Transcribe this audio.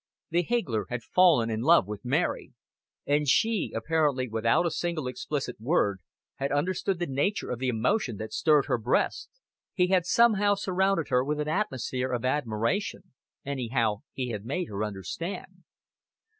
The higgler had fallen in love with Mary; and she, apparently without a single explicit word, had understood the nature of the emotion that stirred his breast. He had somehow surrounded her with an atmosphere of admiration anyhow he had made her understand.